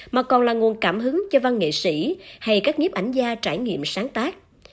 mà còn là nguồn cảm hứng cho văn nghệ sĩ hay các nhiếp ảnh gia trải nghiệm sáng tác